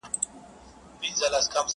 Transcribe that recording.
• فکر مي وران دی حافظه مي ورانه .